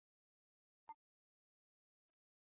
څنګه کولی شم په درپشخه پیسې وګټم